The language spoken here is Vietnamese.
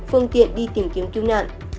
phương tiện đi tìm kiếm cứu nạn